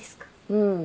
うん。